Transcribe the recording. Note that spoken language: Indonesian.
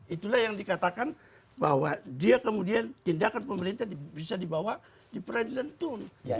itulah yang dikatakan bahwa dia kemudian tindakan pemerintah bisa dibawa di peradilan tun